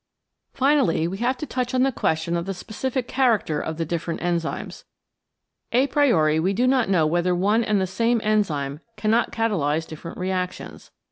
Finally we have to touch on the question of the specific character of the different enzymes. A priori we do not know whether one and the same enzyme cannot catalyse different reactions.